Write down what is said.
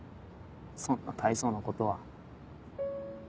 そんな大層なことは。